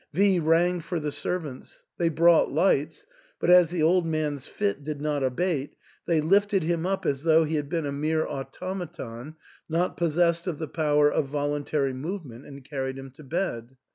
V rang for the servants. They brought lights ; but as the old man's fit did not abate, they lifted him up as though he had been a mere automaton, not possessed of the power of volun tary movement, and carried him to bed.